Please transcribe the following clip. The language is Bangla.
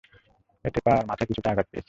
এতে পা আর মাথায় কিছুটা আঘাত পেয়েছে।